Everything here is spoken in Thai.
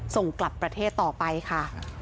ส่งกลับประเทศต่อไปค่ะ